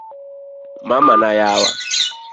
mama na yawa